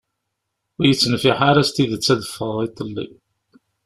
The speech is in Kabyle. Ur yi-d-tenfiḥ ara s tidet ad ffɣeɣ iḍelli.